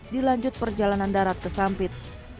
dilanjut perjalanan darat ke sampit